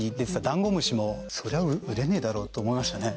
だんごむしもそりゃ売れねえだろうと思いましたね